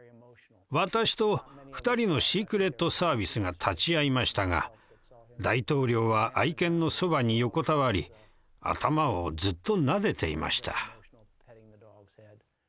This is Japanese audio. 私と２人のシークレットサービスが立ち会いましたが大統領は愛犬のそばに横たわり頭をずっとなでていました。